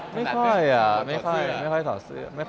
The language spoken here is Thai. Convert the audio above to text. ไม่ค่อยอ่ะไม่ค่อยอยากถอเสื้อเท่าไหร่